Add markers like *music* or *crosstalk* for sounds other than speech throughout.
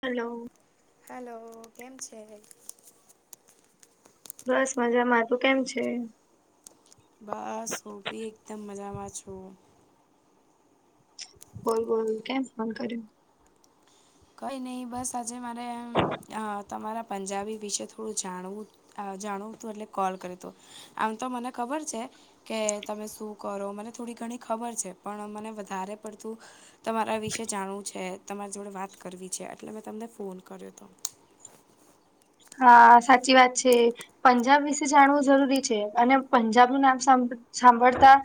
Hello hello... કેમ છે? બસ મજામાં તું કેમ છે? બસ હું બી એકદમ મજામાં છું બોલ બોલ કેમ ફોન કર્યો? કંઈ નહીં બસ આજે મારે એમ તમારા પંજાબી વિશે થોડું જાણવું તું આ જાણવું તું એટલે કોલ કર્યો તો આમ તો મને ખબર છે કે તમે શું કરો મને થોડી ઘણી ખબર છે પણ મને વધારે પડતું તમારા વિશે જાણવું છે તમાર જોડે વાત કરવી છે એટલે મેં તમને ફોન કર્યો હતો. હા સાચી વાત છે. પંજાબ વિશે જાણવું જરૂરી છે અને પંજાબનું નામ સા સાંભળતા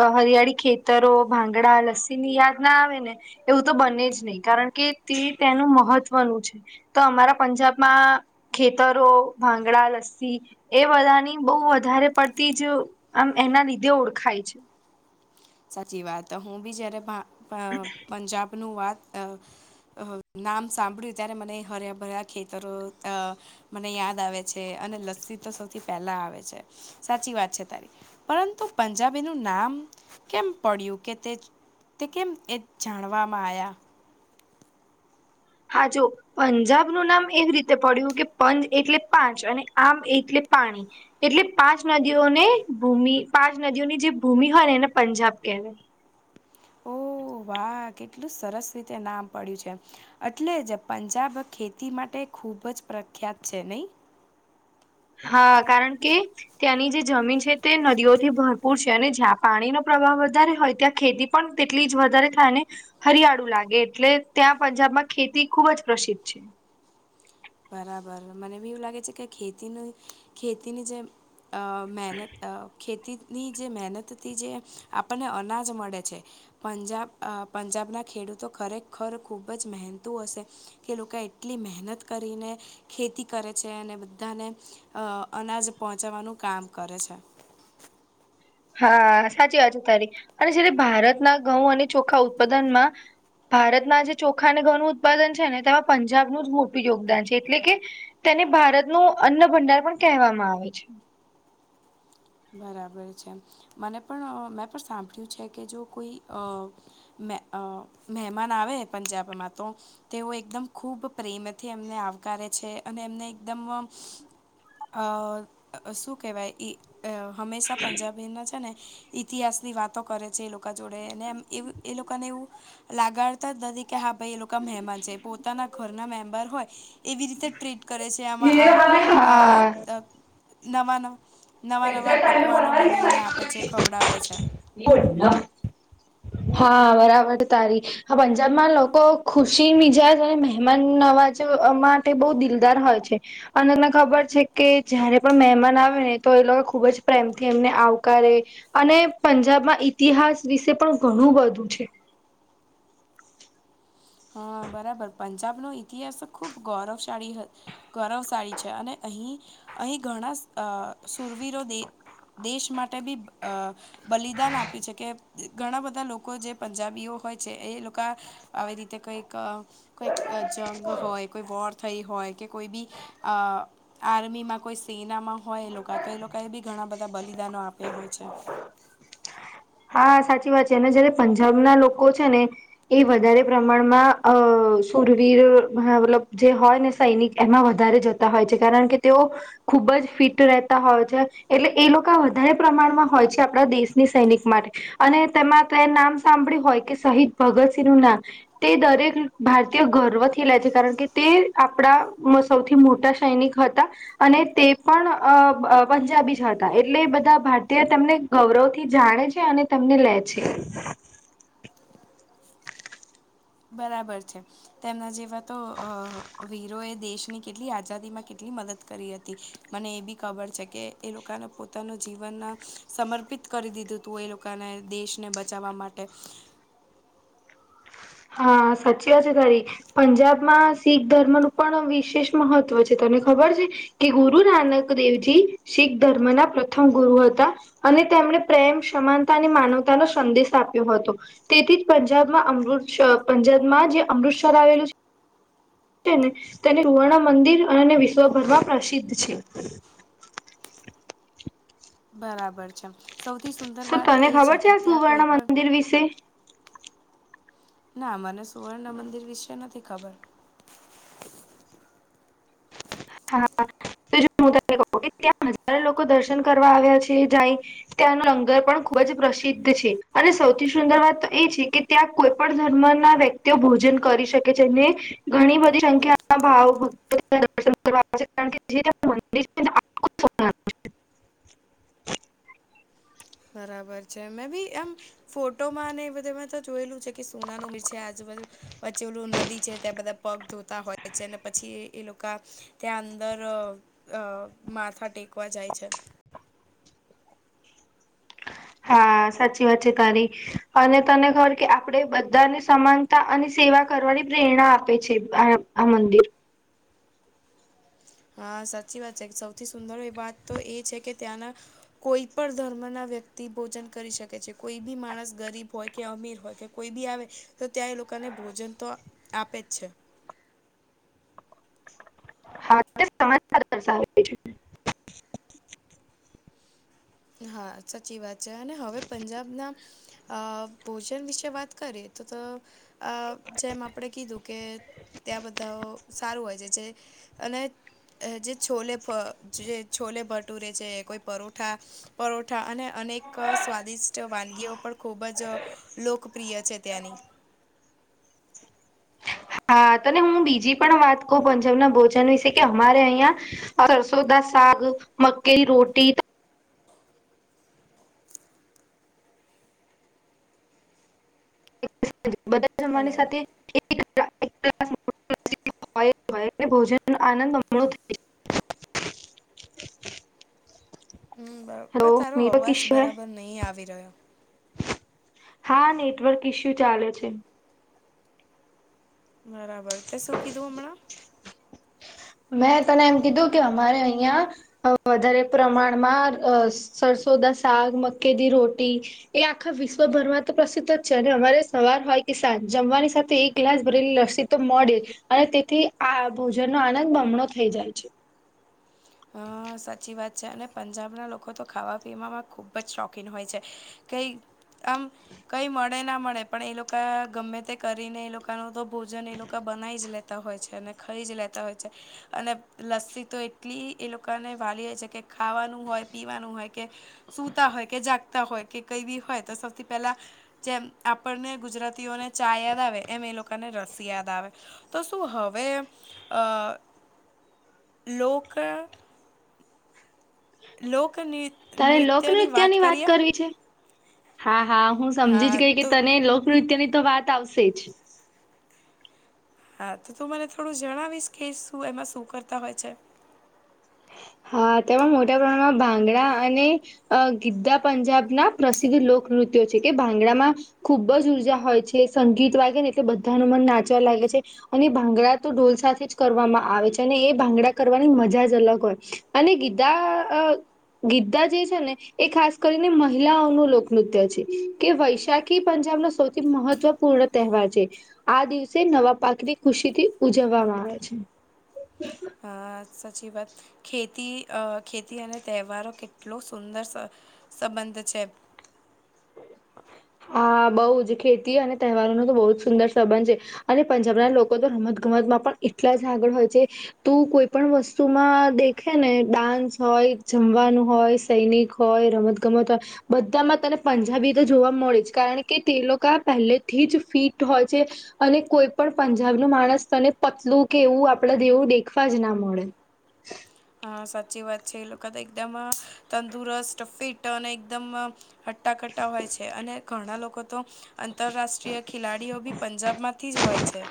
અ હરિયાળી ખેતરો ભાંગડા લસ્સી ની યાદ ના આવે ને એવું તો બને જ નહી કારણ કે તે તેનું મહત્વનું છે. તો અમારા પંજાબમાં ખેતરો, ભાંગડા, લસ્સી એ બધાની બહુ વધારે પડતી જ આમ એના લીધે ઓળખાય છે. સાચી વાત હું બી જયારે ભા ભા પંજાબનું વાત નામ સાંભળ્યું ત્યારે મને હર્યા ભર્યા ખેતરો અ મને યાદ આવે છે અને લસ્સી તો સૌથી પહેલા આવે છે સાચી વાત છે તારી પરંતુ પંજાબીનુ નામ કેમ પડ્યું કે તે તે કેમ એ જાણવામાં આયા? હા જો પંજાબનું નામ એવી રીતે પડ્યું કે પંજ એટલે પાંચ અને આમ એટલે પાણી એટલે પાંચ નદીઓને ભૂમિ પાંચ નદીઓની જે ભૂમિ હોય ને એને પંજાબ કહેવાય ઓહ વાહ કેટલું સરસ રીતે નામ પડ્યું છે. એટલે જ પંજાબ ખેતી માટે ખૂબ જ પ્રખ્યાત છે નહી હા કારણ કે ત્યાંની જે જમીન છે તે નદીઓથી ભરપૂર છે અને જ્યાં પાણીનો પ્રવાહ વધારે હોય ત્યાં ખેતી પણ તેટલી જ વધારે થાય ને હરિયાળુ લાગે એટલે ત્યાં પંજાબમાં ખેતી ખુબ જ પ્રસિદ્ધ છે. બરાબર મને બી એવું લાગે છે કે ખેતીનું ખેતીની જેમ અ મહેનત ખેતીની જે મહેનતથી જે આપણને અનાજ મળે છે. પંજાબ પંજાબના ખેડૂતો ખરેખર ખૂબ જ મહેનતું હશે કે એ લોકા એટલી મહેનત કરીને ખેતી કરે છે અને બધાને અ અનાજ પહોંચાવાનું કામ કરે છે. હા સાચી વાત છે તારી અને છે ને ભારતના ઘઉં અને ચોખા ઉત્પાદનમાં ભારતમાં જે ચોખા અને ઘઉંનું ઉત્પાદન છે ને તેમાં પંજાબનું જ મોટું યોગદાન છે એટલે કે તેને ભારતનો અન્ન ભંડાર પણ કહેવામાં આવે છે. બરાબર છે મને પણ મેં પણ સાંભળ્યું છે કે જો કોઈ અ મે અ મહેમાન આવે પંજાબમાં તો તેઓ એકદમ ખૂબ પ્રેમથી એમને આવકારે છે અને એમને એકદમ અ શું કહેવાય ઈ અ હંમેશા પંજાબીમાં છે ને ઇતિહાસની વાતો કરે છે એ લોકો કા જોડે એમને એમ એવું લોકોને એવું લાગાડતા જ નથી કે હા ભાઈ એ લોકો મહેમાન છે પોતાના ઘરના મેમ્બર હોય એવી રીતે જ ટ્રીટ કરે છે આમાં આ આ *unintelligible* નવા નવા પકવાનો બનાવીને આપે છે ખવડાવે છે. *unintelligible* હા બરાબર તારી હા પંજાબમાં લોકો ખુશી મિજાજ અને મહેમાન નવાજવામાં તે બહુ દિલદાર હોય છે અનીલને ખબર છે કે જયારે પણ મહેમાન આવે ને તો એ લોકો ખૂબ જ પ્રેમથી એમને આવકારે અને પંજાબમાં ઈતિહાસ વિશે પણ ઘણું બધું છે. હા બરાબર પંજાબનો ઇતિહાસ તો ખૂબ ગૌરવશાળી હ ગૌરવશાળી છે અને અહીં અહીં ઘણા અ શુરવીરો દે દેશ માટે બી અ બલિદાન આપ્યું છે કે ઘણા બધા લોકો જે પંજાબીઓ હોય છે એ લોકા આવી રીતે કંઈક કોઈક જંગ હોય કોઈ વોર થઈ હોય કે કોઈ બી અ આર્મીમાં કોઈ સેનામાં હોય એ લોકા તો એ લોકો એ બી ઘણા બધા બલિદાનો આપ્યા હોય છે. હા સાચી વાત છે અને જયારે પંજાબના લોકો છે ને એ વધારે પ્રમાણમાં અ સુરવીર *unintelligible* મતલબ જે હોય ને સૈનિક એમાં વધારે જતા હોય છે કારણ કે તેઓ ખુબ જ ફિટ રહેતા હોય છે એટલે એ લોકા વધારે પ્રમાણમાં હોય છે આપડા દેશની સૈનિક માટે અને તેમાં તે નામ સાંભળ્યું હોય કે શહીદ ભગતસિંહ નું નામ તે દરેક ભારતીય ગર્વથી લે છે કારણ કે તે આપડામ સૌથી મોટા સૈનિક હતા. અને તે પણ અ અ પંજાબી જ હતા એટલે એ બધા ભારતીય તેમને ગૌરવ થી જાણે છે. તે અને તમને લે છે. બરાબર છે તેમના જેવા તો અ વીરો એ દેશની કેટલી આઝાદીમાં કેટલી મદદ કરી હતી મને એ બી ખબર છે કે એ લોકાનુ પોતાનું જીવનના સમર્પિત કરી દીધુંતું એ લોકાને દેશને બચાવવા માટે. હા સાચી વાતા છે તારી. પંજાબમાં શીખ ધર્મ નું પણ વિશેષ મહત્વ છે તને ખબર છે. કે ગુરુ નાનક દેવજી શીખ ધર્મ ના પ્રથમ ગુરુ હતા. અને તેમણે પ્રેમ, સમાનતા અને માનવતાનો સંદેશ આપ્યો હતો. તેથી જ પંજાબમાં અમૃત્સ પંજાબમાં જે અમૃતસર આવેલું છે તેને તેને વર્ણ મંદિર અને વિશ્વભર માં પ્રસિદ્ધ છે. બરાબર છે સૌથી સુંદર વાત એ છે કે ત્યાં કોઈ પણ એ વિશે ના મને સુવર્ણ મંદિર વિશે નથી ખબર. હા તો હું તને કહું કે ત્યાં હજારે લોકો દર્શન કરવા આવ્યા છે જાય ત્યાંનું લંગર પણ ખૂબ જ પ્રસિદ્ધ છે અને સૌથી સુંદર વાત તો એ છે કે ત્યાં કોઈ પણ ધર્મ ના વ્યક્તિઓ ભોજન કરી શકે છેને. ઘણી બધી સંખ્યા ભાવ ભક્તો દર્શન કરવા આવે કારણ જે મંદિર *unintelligible* સોનાનું બરાબર છે મેં બી એમ ફોટોમાંને એ બધે મે તો જોયેલું છે. કે સોનાનો બીજ છે આજું બાજુ પછી ઓલું નદી છે ત્યાં બધા પગ ધોતા હોય છે ને પછી એ એ લોકા ત્યાં અંદર અ માથા ટેકવા જાય છે. હા સાચી વાત છે તારી. અને તને ખબર કે આપડે બધાને સમાનતા અને સેવા કરવાની પ્રેરણા આપે છે આ આ મંદિર. હા સાચી વાત છે સૌથી સુંદર એ વાત તો એ છે કે ત્યાંના કોઈ પણ ધર્મ ના વ્યક્તિ ભોજન કરી શકે છે કોઈ બી માણસ ગરીબ હોય કે અમીર હોય કે કોઈ બી આવે તો ત્યાં એ લોકાને ભોજન તો આપે જ છે. હા *unintelligible* સમમાાર *unintelligible* *inaudible* હા સાચી વાત છે, અને હવે પંજાબના અ ભોજન વિશે વાત કરીએ તો તો અ જેમ આપણે કીધું કે ત્યા બધા સારું હોય છે, અને જે છોલે ફ જે છોલે ભટૂરે છે, કોઈ પરોઠા પરોઠા અને અનેક સ્વાદિષ્ટ વાનગીઓ પણ ખૂબ જ લોકપ્રિય છે, ત્યાંની હા તોને હું બીજી પણ વાત કઉ પંજાબના ભોજન વિશે કે અમારે અહિયાં સરસો સાગ મક્કીની રોટી. બધા જમવાની હલો સાથે એક્લા *unintelligible* *inaudible* *inaudible* હમ બર પણ તારો અવાજ બરાબર નહી આવી રહ્યો હા નેટવર્ક ઇસ્યુ ચાલે છે. બરાબર તે શું કીધું હમણાં? મેં તને એમ કીધું કે અમારે અહિયાં અ વધારે પ્રમાણમાં અ સરસોદા શાક મકેદી રોટી એ આખા વિશ્વભરમાં તો પ્રસિદ્ધ જ છે, અને અમારે સવાર હોય કે સાજ જમવાની સાથે એક ગ્લાસ ભરેલી લલસી તો મળે અને તેથી આ ભોજનનો આનંદ બમણો થઈ જાય છે. હા સાચી વાત છે, અને પંજાબના લોકો તો ખાવા પીવામાં ખૂબ જ શોખીન હોય છે. કઈ આમ કઈ મળે ના મળે પણ એ લોકા ગમે તે કરીને એ લોકા ન તો ભોજન એ લોકા બનાઈ જ લે તા હોય છે, અને ખઈ જ લેતા હોય છે, અને લસ્સી તો એટલી એ લોકોને વાલીએ છે, કે ખાવાનું હોય પીવાનું હોય કે સુતા હોય કે જાગતા હોય કે કઈ બી હોય તો સૌથી પેલા જેમ આપણને ગુજરાતીઓને ચા યાદ આવે એમ એ લોકોને લસ્સી યાદ આવે તો શું હવે અ લોક લોકની તારે લોકનૃત્યની વાત કરવી છે? હા હા હું સમજી હા જ ગઈ કે તો તને લોકનૃત્યની તો વાત આવશે જ હા તો તું મને થોડું જણાવીશ કે શું એમાં શું કરતા હોય છે. હા તેમાં મોટા પ્રમાણમાં ભાંગડા અને અ ગીદ્ધા પંજાબના પ્રસિદ્ધ લોકનૃત્યો છે, કે ભાંગડામાં ખુબ જ ઉર્જા હોય છે, સંગીત વાગે ને એટલે બધાનું મન નાચવા લાગે છે. અને ભાંગડા તો ઢોલ સાથે જ કરવામાં આવે છે, અને એ ભાંગડા કરવાની મજા જ અલગ અને ગીધા અ ગીધા જે છે, ને એ ખાસ કરીને મહિલાઓનું લોકનૃત્ય છે, કે વૈશાખ ખી પંજાબનો સૌથી મહત્વપૂર્ણ તહેવાર છે. આ દિવસે નવા પાકની ખુશીથી ઉજવવામાં આવે છે. અ સાચી વાત ખેતી અ ખેતી અને તહેવારો કેટલો સુંદર સ સંબંધ છે. હા બો જ ખેતી અને તહેવારો નો તો બો જ સુંદર સંબંધ છે. અને પંજાબના લોકોતો રમત ગમતમાં પણ એટલા જ આગળ હોય છે. તું કોઈ પણ વસ્તુમાં દેખે ને ડાન્સ હોય જમવાનું હોય સૈનિક હોય રમત ગમત હોય બધામાં તને પંજાબી તો જોવા મળે જ કારણ કે તે લોકો પહેલેથી જ ફિટ હોય છે. અને કોઈ પણ પંજાબ નુ માણસ તને પતલું કે એવું આપડા જેવું દેખવા ના મળે. હા સાચી વાત છે એ લોકો તો એકદમ તંદુરસ્ત ફિટ અને એકદમ હટ્ટાકટ્ટા હોય છે અને ઘણા લોકો તો આંતરરાષ્ટ્રીય ખેલાડીઓ બી પંજાબમાં થી જ હોય છે.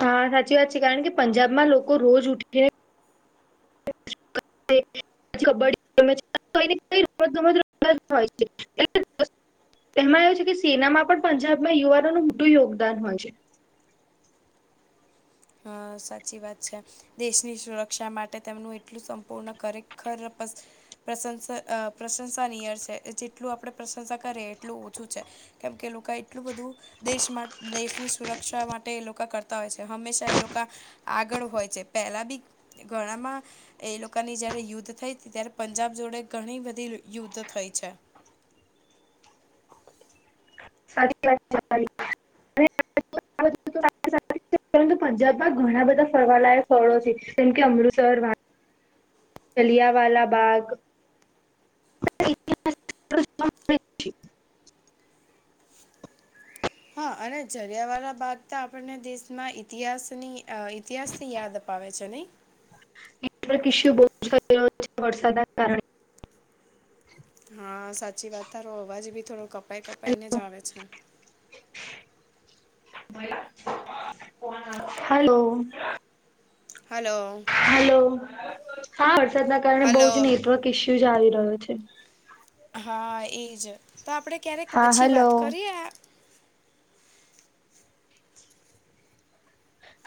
હા સાચી વાત છે કારણ કે પંજાબ માં લોકો રોજ ઉઠીને પછી કબડ્ડી રમત હોય છે *unintelligible* એમાં એવું છે કે સેનામાં પણ પંજાબમાં યુવાનોનું મોટું યોગદાન હોય છે. હ સાચી વાત છે. દેશની સુરક્ષા માટે તેમનું એટલું સંપૂર્ણ ખરેખર પ્રશંસા પ્રશંસા નિયર છે જેટલું આપણે પ્રશંસા કરીએ એટલું ઓછું છે. કેમકે એ લોકો એટલું બધું દેશ મા દેશની સુરક્ષા માટે એ લોકો કરતા હોય છે હંમેશા એ લોકો આગળ હોય છે પહેલા બી ઘણામાં એ લોકોની જયારે યુદ્ધ થઈ ત્યારે પંજાબ જોડે ઘણી બધી યુદ્ધ થઈ છે. સાચી વાત *unintelligible* પરંતુ પંજાબમાં ઘણા બધા ફરવાલાયક સ્થળો છે જેમ કે અમૃતસર જલિયાંવાલા બાગ *unintelligible* પ્રૃ્ *unintelligible* હા, અને જલીયાવાળા બાગ ત આપણને દેશમાં ઇતિહાસની અ ઇતિહાસથી યાદ અપ પાવે છે નય એટલો *unintelligible* વરસાદના કારણે હા, સાચી વાત તારો અવાજ બી થોડો કપાઈ કપાઈને જ આવે છે. *unintelligible* હાલો. હાલો. હાલો હા વરસાદના કારણે બહુ હલો જ નેટવર્ક ઈસ્યુઝ આવી રહ્યો છે. હા, એજ તો આપણેે ક્યારેક હા પછી હલો વાત કરીએ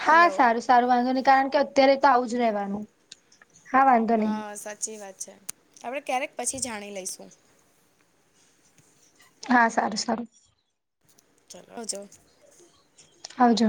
હા, હલો સારું સારું વાંધો નય કારણ કે અત્યારે તો આવું જ રેવાનું હા, સાચી વાત છે હવે ક્યારેક પછી જાણી લઈશું. હા, સારું સારું ચલો અજ આવજો